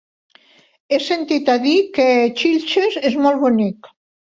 He sentit a dir que Xilxes és molt bonic.